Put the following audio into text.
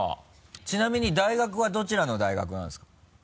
ちなみに大学はどちらの大学なんですか？